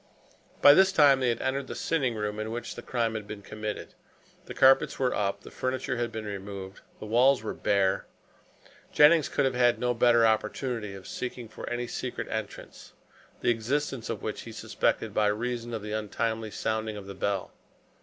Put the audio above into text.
By this time they had entered the sitting room in which the crime had been committed. The carpets were up, the furniture had been removed, the walls were bare. Jennings could have had no better opportunity of seeking for any secret entrance, the existence of which he suspected by reason of the untimely sounding of the bell.